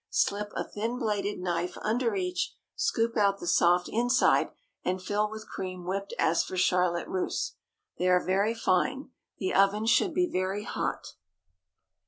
Slip a thin bladed knife under each; scoop out the soft inside, and fill with cream whipped as for Charlotte Russe. They are very fine. The oven should be very hot.